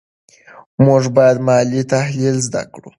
موږ باید مالي تحلیل زده کړو.